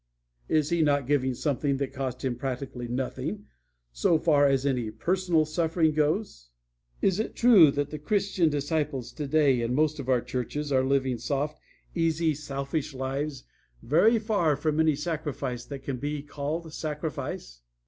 Is he not giving something that cost him practically nothing so far as any personal suffering goes? Is it true that the Christian disciples today in most of our churches are living soft, easy, selfish lives, very far from any sacrifice that can be called sacrifice?